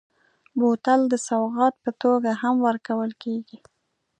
بوتل د سوغات په توګه هم ورکول کېږي.